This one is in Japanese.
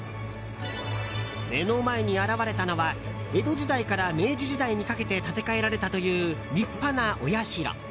目の前に現れたのは江戸時代から明治時代にかけて建て替えられたという立派なお社。